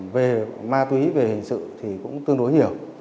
về ma túy về hình sự thì cũng tương đối nhiều